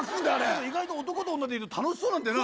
でも意外と男と女で楽しそうなんだよな。